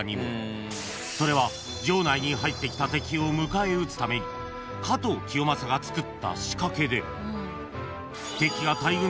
［それは城内に入ってきた敵を迎え撃つために加藤清正が作った仕掛けで］